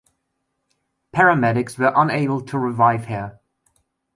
Paramedics were unable to revive her.